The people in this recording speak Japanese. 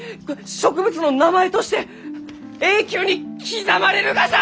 植物の名前として永久に刻まれるがじゃ！